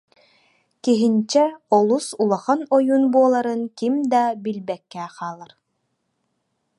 Киһинчэ олус улахан ойуун буоларын ким да билбэккэ хаалар